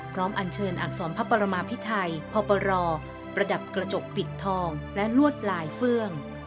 อันเชิญอักษรพระปรมาพิไทยพปรประดับกระจกปิดทองและลวดลายเฟื่อง